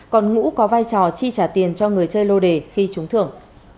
còn ngũ có vai trò chi trả tiền cho người chơi lô đề khi trúng thưởng